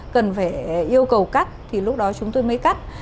cần phải yêu cầu cắt thì lúc đó chúng tôi mới cắt